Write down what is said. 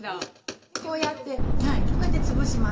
こうやってはいこうやってつぶします。